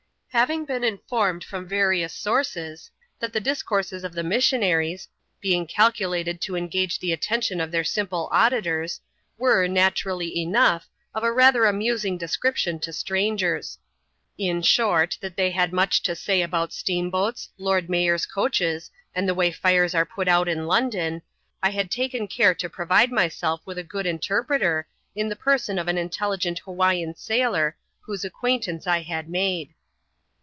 Having been informed, from various sources, that the dis courses of the missionaries, being calculated to e\i^«.'^<i. "^Vsfc attention of their simple auditors, Yrere, xvaXuT^ ^ e.xiwx^ ^*^^ 172 ADVENTURES IN THE SOUTH SEAS, [chap.zlt. rather amusing description to strangers; in short, that they had n;uch to say about steam boats, lord mayors* coaches, and the way fires are put out in London, I had taken care to pro vide myself with a good interpreter, in the person of an intelli gent Hawaiian sailor, whose acquaintance I had made.